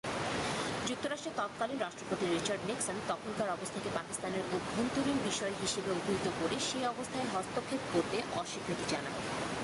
যুক্তরাষ্ট্রের তৎকালীন রাষ্ট্রপতি রিচার্ড নিক্সন তখনকার অবস্থাকে পাকিস্তানের অভ্যন্তরীণ বিষয় হিসেবে অভিহিত করে সে অবস্থায় হস্তক্ষেপ করতে অস্বীকৃতি জানায়।